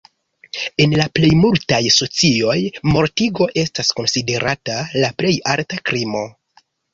En la plejmultaj socioj mortigo estas konsiderata la plej alta krimo.